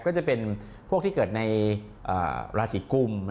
ก็จะเป็นพวกที่เกิดในราศีกุม